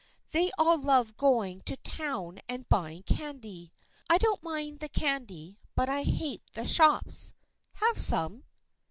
They all love going to the town and buying candy. I don't mind the candy but I hate the shops. Have some